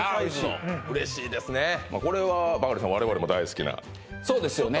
おいしいこれはバカリさん我々も大好きなそうですよね